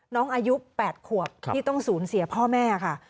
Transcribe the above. น้องอายุแปดขวบที่ต้องศูนย์เสียพ่อแม่ค่ะ